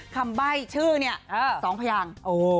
คำใบ้ชื่อเนี่ยสองพยาง